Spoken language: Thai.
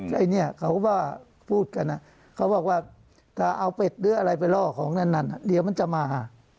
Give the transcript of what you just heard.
เขาบอกว่าพูดกันเขาบอกว่าถ้าเอาเป็ดหรืออะไรไปล่อของนั่นนั่นเหลือมันจะมา